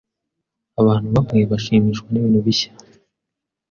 Abantu bamwe bashimishwa nibintu bishya.